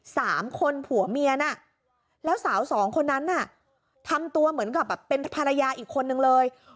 สามคนผัวเมียน่ะแล้วสาวสองคนนั้นน่ะทำตัวเหมือนกับแบบเป็นภรรยาอีกคนนึงเลย